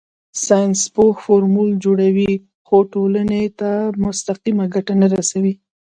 ساینسپوه فورمول جوړوي خو ټولنې ته مستقیمه ګټه نه رسوي.